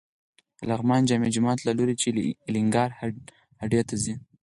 د لغمان جامع جومات له لوري چې الینګار هډې ته ځې.